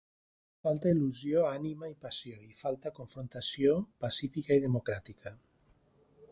Falta il·lusió, ànima i passió i falta confrontació, pacífica i democràtica.